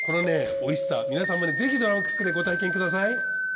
美味しさ皆さんもぜひドラムクックでご体験ください。